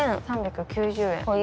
５３９０円。